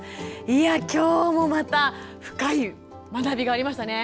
いやきょうもまた深い学びがありましたね。